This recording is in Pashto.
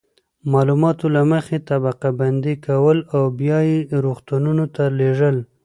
معلومات له مخې یې طبقه بندي کول او بیا یې روغتونونو ته لیږل.